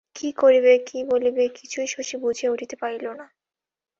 কী করিবে, কী বলিবে কিছুই শশী বুঝিয়া উঠিতে পারিল না।